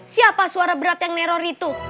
siapa suara berat yang neror itu